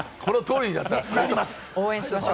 応援しましょう。